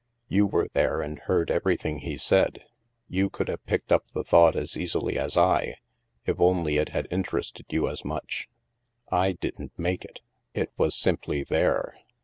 You were there and heard everything he Baid. You could have picked up the thought as easily as I, if only it had interested you as much. / didn't make it. It was simply there.